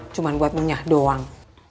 cuman buat munyah doang